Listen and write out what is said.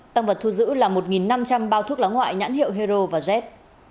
tăng vật thu giữ là một năm trăm linh bao thuốc lá ngoại nhãn hiệu hero và z